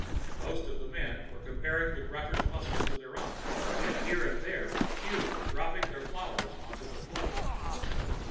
Most of the men were comparing the grunters' muscles to their own, and here and there a few were dropping their flowers onto the floor.